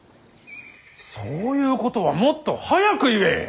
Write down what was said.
そういうことはもっと早く言え！